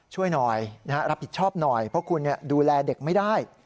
ช่วยหน่อยรับผิดชอบหน่อยเพราะคุณดูแลเด็กไม่ได้